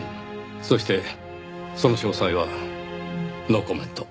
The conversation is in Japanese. そしてその詳細はノーコメント。